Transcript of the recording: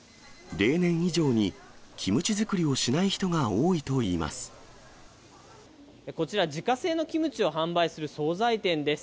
例年以上に、キムチ作りをしこちら、自家製のキムチを販売する総菜店です。